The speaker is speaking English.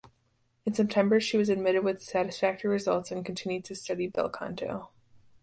In September she was admitted with satisfactory results and continued to study bel canto.